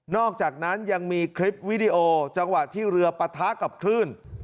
อกจากนั้นยังมีคลิปวิดีโอจังหวะที่เรือปะทะกับคลื่น